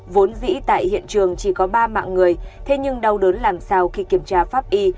vốn vĩ tại hiện trường chỉ có ba mạng người thế nhưng đau đớn làm sao khi kiểm tra pháp y